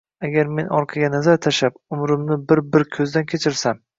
…Agar men orqaga nazar tashlab, umrimni bir-bir ko‘zdan kechirsam